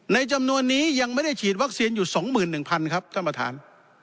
จำนวนนี้ยังไม่ได้ฉีดวัคซีนอยู่๒๑๐๐๐ครับท่านประธาน